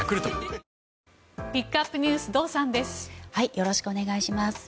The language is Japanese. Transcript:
よろしくお願いします。